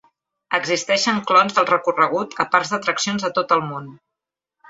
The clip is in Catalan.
Existeixen clons del recorregut a parcs d'atraccions de tot el món.